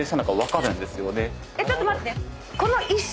えっちょっと待って。